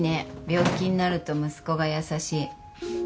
病気になると息子が優しい。